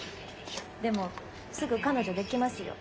でもすぐ彼女できますよ。